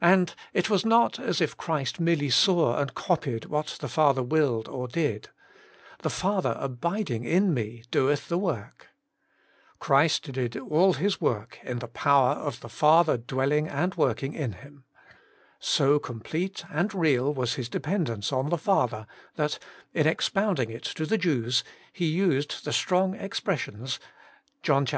And it was not as if Christ merely saw and copied what the Father willed or did :' the Father abiding in Me doeth the work.' Christ did all His 41 42 Working for God work m the power of the Father dwelling and working in Him. So complete and real was His dependence on the Father, that, in expounding it to the Jews, He used the strong expressions (v.